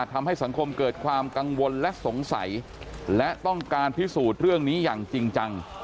ทำให้สังคมเกิดความกังวลและสงสัยและต้องการพิสูจน์เรื่องนี้อย่างจริงจัง